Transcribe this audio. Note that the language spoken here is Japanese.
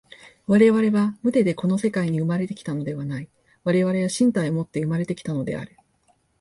我々は無手でこの世界に生まれて来たのではない、我々は身体をもって生まれて来たのである。